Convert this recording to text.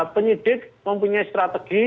penyidik mempunyai strategi